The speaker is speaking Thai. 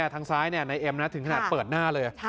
ทางซ้ายนายเอ็มถึงขนาดเปิดหน้าเลย